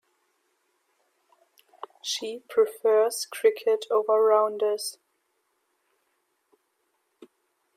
She prefers cricket over rounders.